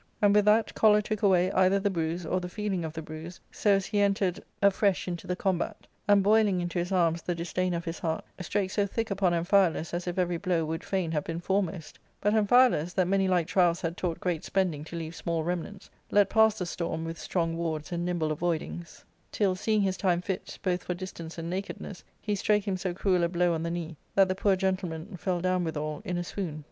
And with that choler took away either the bruise or the feeling of the bruise, so as he entered afresh into the combat, and, boiling into his arms the disdain of his heart, strake so thick upon Amphialus as if every blow would fain have been foremost. But Amphialus, that many like trials had taught great spending to leave small remnants,* let pass the storm with strong wards and nimble avoidings, * Great spending, <Sr»^. — i,e,y that a violent storm soon passes and leaves little behind it. ARCADIA,— Book III. 293 till, seeing his time fit, both for distance and nakedness, he strake him so cruel a blow on the knee that the poor gentle man fell down withal in a swound.